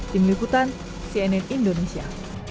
tim liputan cnn indonesia